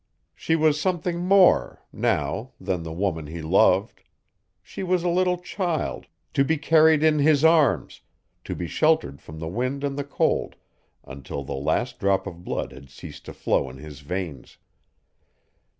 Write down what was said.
She was something more now than the woman he loved. She was a little child, to be carried in his arms, to be sheltered from the wind and the cold until the last drop of blood had ceased to flow in his veins.